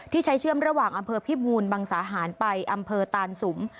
ใช้เชื่อมระหว่างอำเภอพิบูรมังสาหารไปอำเภอตานสุม